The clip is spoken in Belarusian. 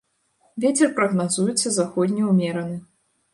Вецер прагназуецца заходні ўмераны.